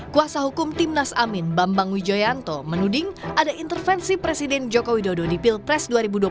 kuasa hukum timnas amin bambang wijoyanto menuding ada intervensi presiden joko widodo di pilpres dua ribu dua puluh empat